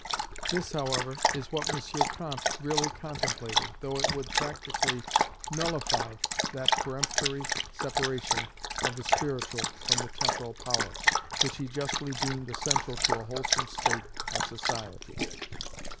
This however is what M. Comte really contemplated, though it would practically nullify that peremptory separation of the spiritual from the temporal power, which he justly deemed essential to a wholesome state of society.